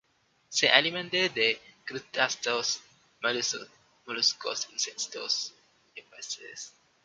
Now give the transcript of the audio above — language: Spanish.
Se alimenta de crustáceos, moluscos, insectos y peces pequeños.